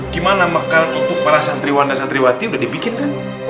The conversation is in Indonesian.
gimana makan untuk para santriwanda santriwati udah dibikin kan